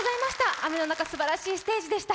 雨の中、すばらしいステージでした。